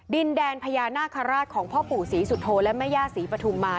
ดินแดนพญานาคาราชของพ่อปู่ศรีสุโธและแม่ย่าศรีปฐุมมา